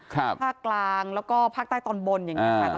ภาคกลางแล้วก็ภาคใต้ตอนบนอย่างนี้ค่ะ